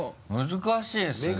難しいですね。